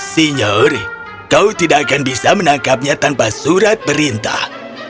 senyur kau tidak akan bisa menangkapnya tanpa surat perintah